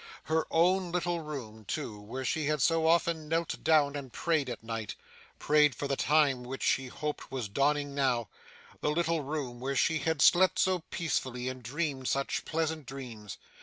Her own little room too, where she had so often knelt down and prayed at night prayed for the time which she hoped was dawning now the little room where she had slept so peacefully, and dreamed such pleasant dreams!